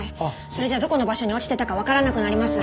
それじゃどこの場所に落ちてたかわからなくなります。